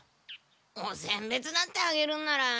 おせん別なんてあげるんなら。